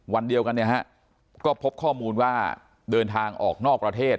วันเดียวกันเนี่ยฮะก็พบข้อมูลว่าเดินทางออกนอกประเทศ